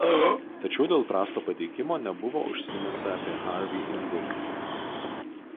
Tačiau dėl prasto pateikimo nebuvo užsiminta apie Harvey indėlį.